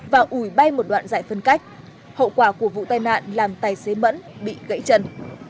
và ủi bay một đoạn giải phân cách hậu quả của vụ tai nạn làm tài xế mẫn bị gãy chân